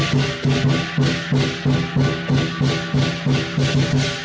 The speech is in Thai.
สวัสดีค่ะ